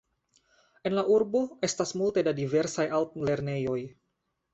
En la urbo estas multe da diversaj altlernejoj.